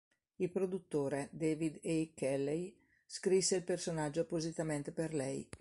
Il produttore, David E. Kelley, scrisse il personaggio appositamente per lei.